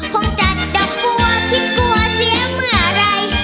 คงจัดดอกบัวคิดกลัวเสียเมื่อไหร่